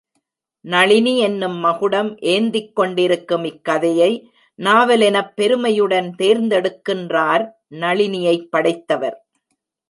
நளினி என்னும் மகுடம் ஏந்திக்கொண்டிருக்கும் இக்கதையை நாவல் எனப் பெருமையுடன் தேர்ந்தெடுக்கின்றார், நளினியைப் படைத்தவர்.